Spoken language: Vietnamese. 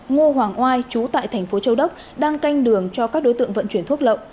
ngô hoàng oai chú tại thành phố châu đốc đang canh đường cho các đối tượng vận chuyển thuốc lậu